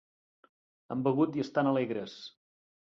Han begut i estan alegres.